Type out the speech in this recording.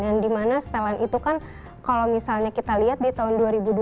yang dimana setelan itu kan kalau misalnya kita lihat di tahun dua ribu dua belas